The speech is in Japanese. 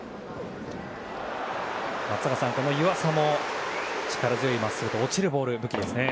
松坂さん、湯浅も力強いまっすぐ落ちるボールが武器ですね。